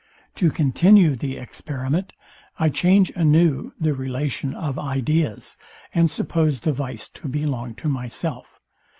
To continue the experiment, I change anew the relation of ideas, and suppose the vice to belong to myself.